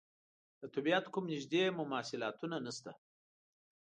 د طبعیت کوم نږدې مماثلاتونه نشته.